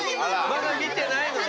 まだ見てないのね。